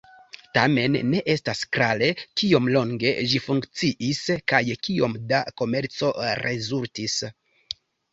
Tamen ne estas klare, kiom longe ĝi funkciis kaj kiom da komerco rezultis.